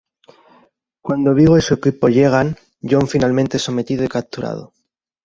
Cuando Viggo y su equipo llegan, John finalmente es sometido y capturado.